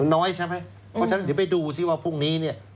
น้อยใช่ไหมเพราะฉะนั้นเดี๋ยวไปดูซิว่าพรุ่งนี้เนี่ย